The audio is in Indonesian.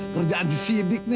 kerjaan sidik nih